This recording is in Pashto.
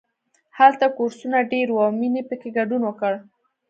هلته کورسونه ډېر وو او مینې پکې ګډون وکړ